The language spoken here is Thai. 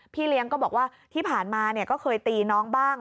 พี่เลี้ยงก็บอกว่าที่ผ่านมาก็เคยตีน้องบ้าง